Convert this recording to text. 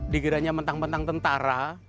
dikiranya mentang mentang tentara